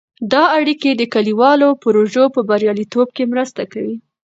دا اړیکې د کلیوالو پروژو په بریالیتوب کې مرسته کوي.